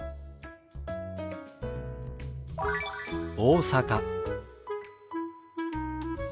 「大阪」。